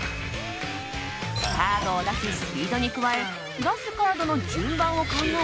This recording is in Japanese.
カードを出すスピードに加え出すカードの順番を考え